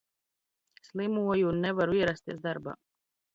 Slimoju un nevaru ierasties darbā.